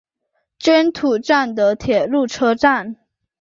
真土站的铁路车站。